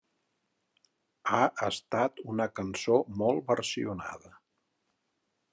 Ha estat una cançó molt versionada.